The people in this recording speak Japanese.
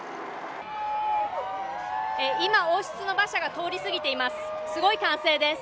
今王室の馬車が通り過ぎています。